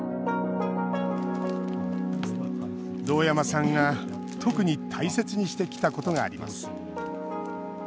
堂山さんが、特に大切にしてきたことがあります。